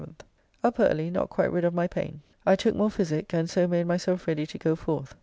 Up early, not quite rid of my pain. I took more physique, and so made myself ready to go forth.